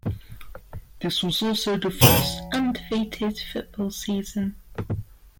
This was also the first undefeated football season.